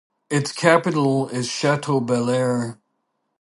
Its capital is Chateaubelair.